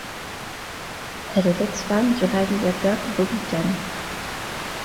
Elle est l'ex-femme du réalisateur Bobby Khan.